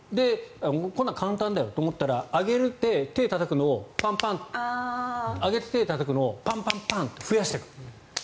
こんなの簡単だよと思ったら上げて、手をたたくのをパンパン上げて手をたたくのをパンパンパンと増やしてく。